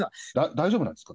大丈夫なんですか？